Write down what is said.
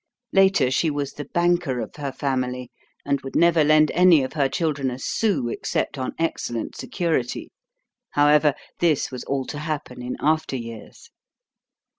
Later she was the banker of her family, and would never lend any of her children a sou except on excellent security. However, this was all to happen in after years.